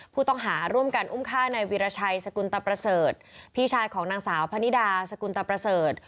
ผู้ต้องหาร่วมกันอุ้มฆ่าในวีรชัยสกุลตะประเสริฐพี่ชายของนางสาวพนิดาสกุลตะประเสริฐ